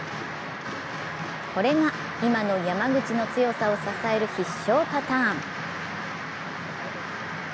これが今の山口の強さを支える必勝パターン。